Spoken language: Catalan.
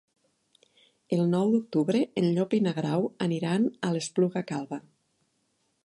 El nou d'octubre en Llop i en Grau aniran a l'Espluga Calba.